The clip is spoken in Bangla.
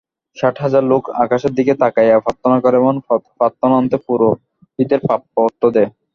ষাট হাজার লোক আকাশের দিকে তাকাইয়া প্রার্থনা করে এবং প্রার্থনান্তে পুরোহিতের প্রাপ্য অর্থ দেয়।